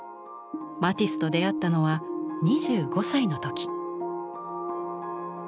マティスと出会ったのは２５歳の時。